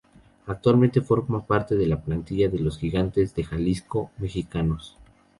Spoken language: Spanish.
Actualmente forma parte de la plantilla de los Gigantes de Jalisco mejicanos.